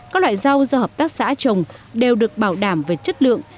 các loại rau do hợp tác xã trồng đều được bảo đảm về chất lượng